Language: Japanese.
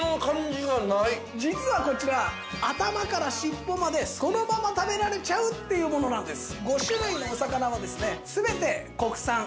実はこちら頭から尻尾までそのまま食べられちゃうっていうものなんです。